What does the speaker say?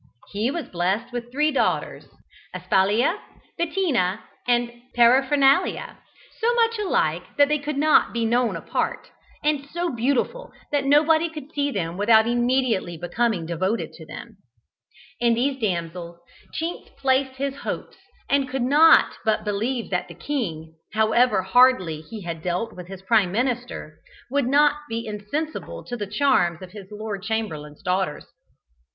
He was blessed with three daughters, Asphalia, Bettina, and Paraphernalia, so much alike that they could not be known apart, and so beautiful that nobody could see them without immediately becoming devoted to them. In these damsels Chinks placed his hopes, and could not but believe that the king, however hardly he had dealt with his Prime Minister, would not be insensible to the charms of his Lord Chamberlain's daughters.